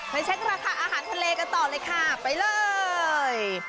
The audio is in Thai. เช็คราคาอาหารทะเลกันต่อเลยค่ะไปเลย